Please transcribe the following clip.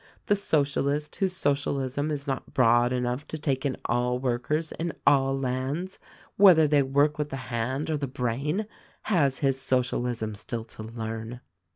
The Socialist whose Socialism is not broad enough to take in all workers in all lands (whether they work with the hand or the brain) has his Socialism still to learn.